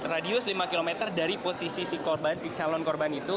radius lima km dari posisi si korban si calon korban itu